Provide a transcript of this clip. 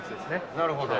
なるほど。